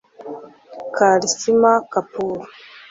Karisma Kapoor